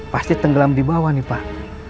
pasti tenggelam di bawah nih pak